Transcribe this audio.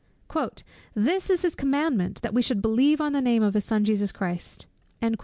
"This is his commandment, that we should believe on the name of his Son Jesus Christ."